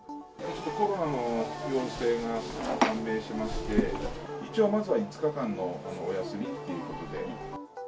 コロナの陽性が判明しまして、一応、まずは５日間のお休みということで。